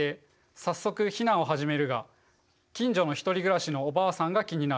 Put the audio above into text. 早速避難を始めるが近所のひとり暮らしのおばあさんが気になる。